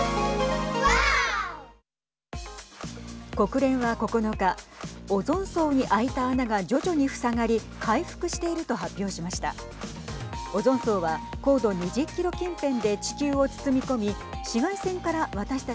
国連は９日オゾン層に空いた穴が徐々に塞がり回復していると発表しました。